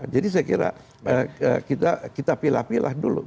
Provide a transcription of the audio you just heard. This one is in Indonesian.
jadi saya kira kita pilih pilih dulu